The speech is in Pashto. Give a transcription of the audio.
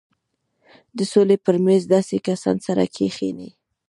د سولې پر مېز داسې کسان سره کښېني.